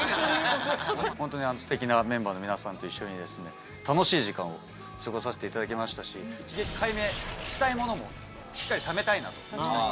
ホントにステキなメンバーの皆さんと一緒に楽しい時間を過ごさせていただきましたし一撃解明したいものもしっかりためたいなと。